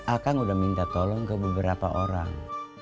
akang udah minta tolong ke beberapa orang